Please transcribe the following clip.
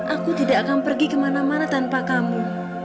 aku tidak akan pergi kemana mana tanpa kamu